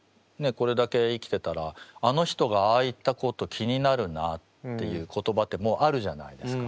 これだけ生きてたらあの人がああ言ったこと気になるなっていう言葉ってもうあるじゃないですか。